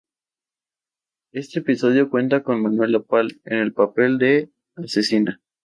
Este episodio cuenta con Manuela Pal, en el papel de asesina.